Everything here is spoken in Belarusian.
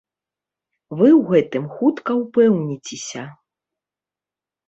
Вы ў гэтым хутка ўпэўніцеся.